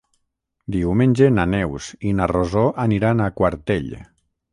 Diumenge na Neus i na Rosó aniran a Quartell.